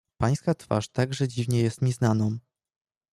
"Pańska twarz także dziwnie jest mi znaną."